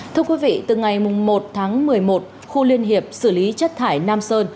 thưa quý vị từ ngày một tháng một mươi một khu liên hiệp xử lý chất thải nam sơn